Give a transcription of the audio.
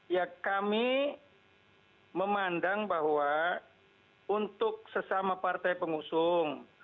ya kami memandang bahwa untuk sesama partai pengusung